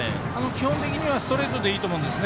基本的にストレートでいいと思います。